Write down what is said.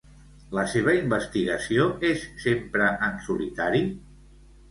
La seva investigació és sempre en solitari?